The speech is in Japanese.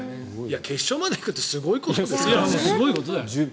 決勝まで行くのはすごいことですよ。